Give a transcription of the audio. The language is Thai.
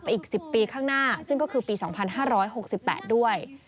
อีก๑๐ปีข้างหน้าซึ่งก็คือปี๒๕๖๘ด้วย